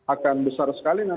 akan besar sekali